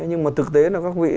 nhưng mà thực tế là các vị